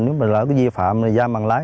nếu mà lỡ có di phạm giao mạng lái